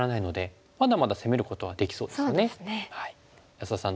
安田さん